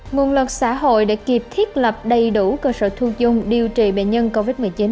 nguồn lực xã hội để kịp thiết lập đầy đủ cơ sở thu dung điều trị bệnh nhân covid một mươi chín